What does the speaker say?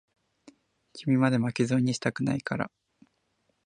君まで、巻き添えにしたくないから。